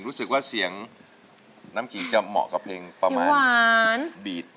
เลขพอสอเปลี่ยนปีเดือนจะเคลื่อนผ่านไป